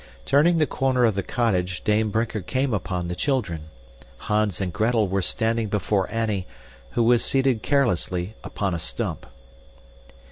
Turning the corner of the cottage, Dame Brinker came upon the children. Hans and Gretel were standing before Annie, who was seated carelessly upon a stump.